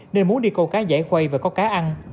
nên muốn đi câu cá dễ quay và có cá ăn